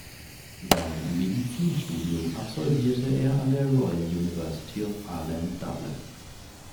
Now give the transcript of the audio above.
Sein Medizinstudium absolvierte er an der Royal University of Ireland, Dublin.